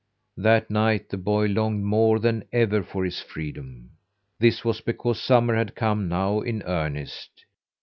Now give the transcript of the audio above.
That night the boy longed more than ever for his freedom. This was because summer had come now in earnest.